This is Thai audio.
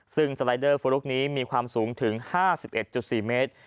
ซึ่งสไลเดอร์เฟอร์ลุคนี้มีความสูงถึงห้าสิบเอ็ดจุดสี่เมตร